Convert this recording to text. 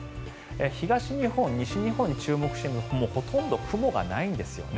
東日本、西日本に注目してみるとほとんど雲がないんですよね。